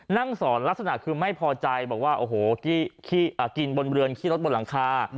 นั่งสอนลักษณะคือไม่พอใจบอกว่าโอ้โหกินบนเรือนขี้รถบนหลังคา